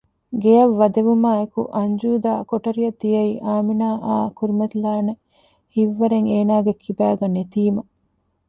ގެއަށް ވަދެވުމާއެކު އަންޖޫދާ ކޮޓަރިއަށް ދިއައީ އާމިނާއާ ކުރިމަތިލާނެ ހިތްވަރެއް އޭނާގެ ކިބައިގައި ނެތީމަ